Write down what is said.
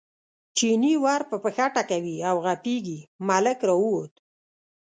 چیني ور په پښه ټکوي او غپېږي، ملک راووت.